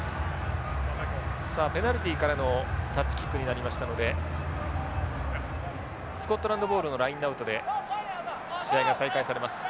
さあペナルティからのタッチキックになりましたのでスコットランドボールのラインアウトで試合が再開されます。